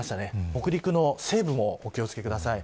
北陸の西部もお気を付けください。